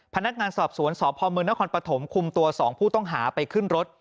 พนักงานสอบสวนสพมนครปฐมคุมตัว๒ผู้ต้องหาไปขึ้นรถ